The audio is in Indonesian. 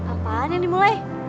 apaan yang dimulai